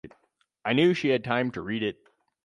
I knew she had time to read it.